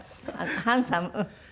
ハンサム？